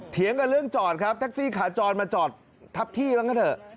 เถียงกันเรื่องจอดครับแท็กซี่ขาจรมาจอดทับที่บ้างก็เถอะ